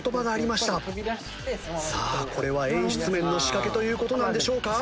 さあこれは演出面の仕掛けという事なんでしょうか？